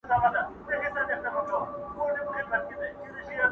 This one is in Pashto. رنگ په رنگ خوږې میوې او خوراکونه.!